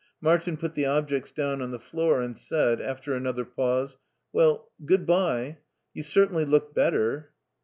Martin put the objects down on the floor and said, after another pause: " Well, good by. You certainly look better."